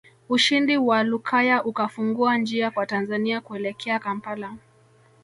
Ushindi wa Lukaya ukafungua njia kwa Tanzania kuelekea Kampala